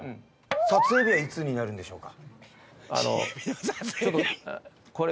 撮影日はいつになるんでしょうか？